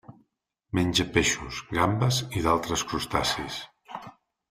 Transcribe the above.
Menja peixos, gambes i d'altres crustacis.